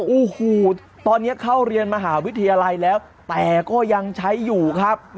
โอ้โหตอนนี้เข้าเรียนมหาวิทยาลัยแล้วแต่ก็ยังใช้อยู่ครับ